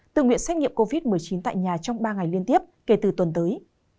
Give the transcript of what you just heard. tự nguyện xét nghiệm covid một mươi chín tại nhà trong ba ngày liên tiếp kể từ tuần tới